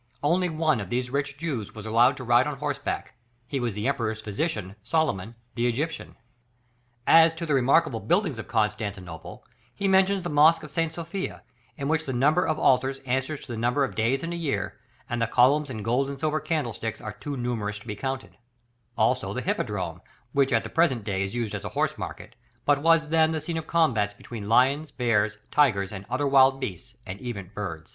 Only one of these rich Jews was allowed to ride on horseback, he was the Emperor's physician, Solomon, the Egyptian. As to the remarkable buildings of Constantinople, he mentions the Mosque of St. Sophia, in which the number of altars answers to the number of days in a year, and the columns and gold and silver candlesticks, are too numerous to be counted; also the Hippodrome, which at the present day is used as a horse market, but was then the scene of combats between "lions, bears, tigers, other wild beasts, and even birds."